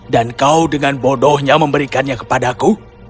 dan kau dengan bodohnya memberikannya kepadaku